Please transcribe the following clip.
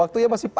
kamu tentang apa